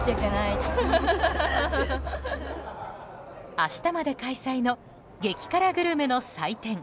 明日まで開催の激辛グルメの祭典。